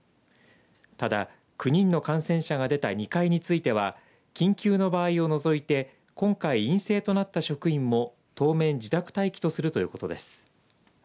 ただ、９人の感染者が出た２階については緊急の場合を除いて今回、陰性となった職員も当面自宅待機をするということです。